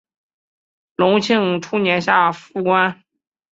隆庆初年复官。